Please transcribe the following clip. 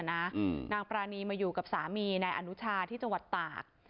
นางปรานีมาอยู่กับสามีนายอนุชาที่จังหวัดตาก